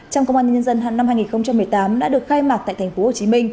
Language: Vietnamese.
trong công an nhân dân năm hai nghìn một mươi tám đã được khai mạc tại tp hcm